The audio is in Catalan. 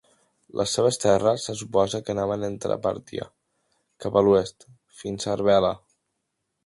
Les seves terres se suposa que anaven entre Pàrtia cap a l'oest fins a Arbela.